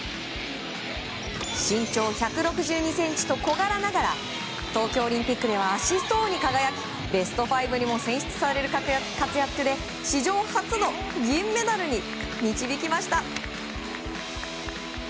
身長１６２ｃｍと小柄ながら東京オリンピックではアシスト王に輝きベスト５にも選出される活躍で史上初の銀メダルに導きました。